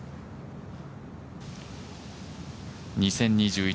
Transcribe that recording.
２０２１